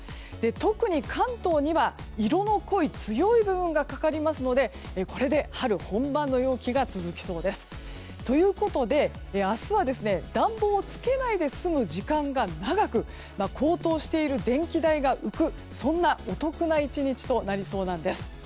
特に関東には、色の濃い強い部分がかかりますのでこれで春本番の陽気が続きそうです。ということで、明日は暖房をつけないで済む時間が長く高騰している電気代が浮くというそんなお得な１日となりそうなんです。